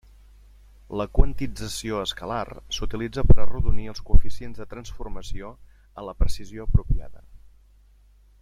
La quantització escalar s'utilitza per arrodonir els coeficients de transformació a la precisió apropiada.